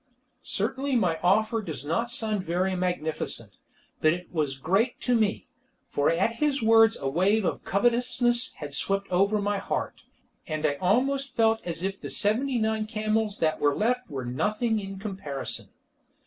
Certainly my offer does not sound very magnificent, but it was great to me, for at his words a wave of covetousness had swept over my heart, and I almost felt as if the seventy nine camels that were left were nothing in comparison.